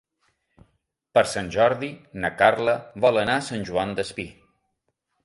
Per Sant Jordi na Carla vol anar a Sant Joan Despí.